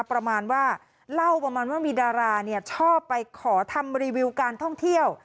ประมาณว่าเล่าประมาณว่ามีดาราชอบไปขอทำรีวิวการท่องเที่ยว